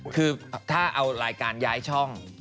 คือถ้าเอารายการย้ายช่อง